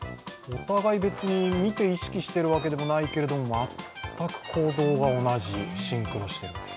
お互い、見て意識してるわけではないけど全く行動が同じ、シンクロしています。